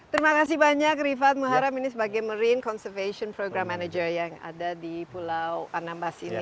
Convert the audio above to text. terima kasih banyak rifat muharam ini sebagai marine conservation program manager yang ada di pulau anambas ini